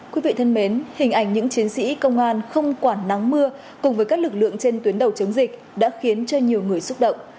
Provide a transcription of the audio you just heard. quý vị thân mến hình ảnh những chiến sĩ công an không quản nắng mưa cùng với các lực lượng trên tuyến đầu chống dịch đã khiến cho nhiều người xúc động